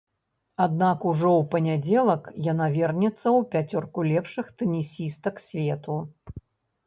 Аднак ужо ў панядзелак яна вернецца ў пяцёрку лепшых тэнісістак свету.